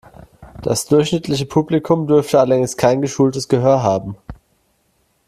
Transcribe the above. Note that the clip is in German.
Das durchschnittliche Publikum dürfte allerdings kein geschultes Gehör haben.